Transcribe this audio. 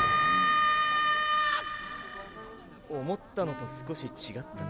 思ったのと少し違ったな。